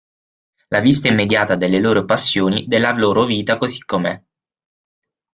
La vista immediata delle loro passioni, della loro vita così com'è.